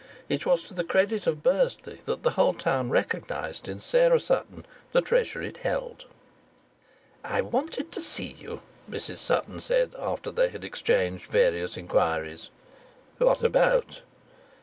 It was to the credit of Bursley that the whole town recognized in Sarah Sutton the treasure it held. "I wanted to see you," Mrs Sutton said, after they had exchanged various inquiries. "What about?"